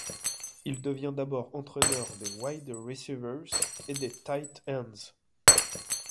Il devient d'abord entraîneur des wide receivers et des tight ends.